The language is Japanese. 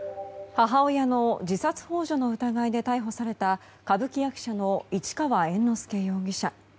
母親の自殺幇助の疑いで逮捕された歌舞伎役者の市川猿之助容疑者。